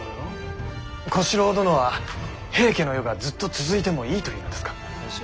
小四郎殿は平家の世がずっと続いてもいいというのですか？